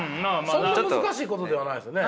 そんな難しいことではないですね。